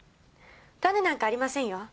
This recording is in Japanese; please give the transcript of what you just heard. タネなんかありませんよ。